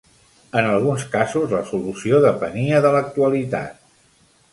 En alguns casos la solució depenia de l'actualitat.